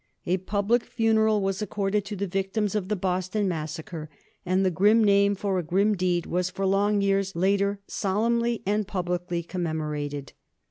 A public funeral was accorded to the victims of the Boston Massacre, and the grim name for a grim deed was for long years later solemnly and publicly commemorated.